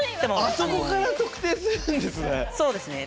あそこから特定するんですね。